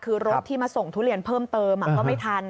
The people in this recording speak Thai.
คือรถที่มาส่งทุเรียนเพิ่มเติมก็ไม่ทัน